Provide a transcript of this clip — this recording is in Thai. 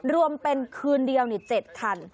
รวมเป็นคืนเดียว๗คัน